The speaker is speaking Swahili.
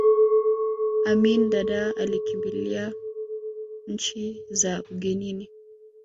amin dadaa alikimbilia nchi za ugenini